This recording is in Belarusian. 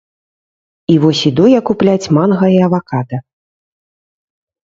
І вось іду я купляць манга і авакада.